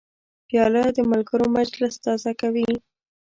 پیاله د ملګرو مجلس تازه کوي.